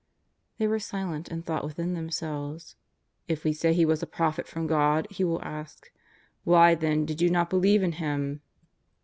They were silent and thought within themselves : If we say he was a prophet from God He will ask : Why, then, did you not believe in Him?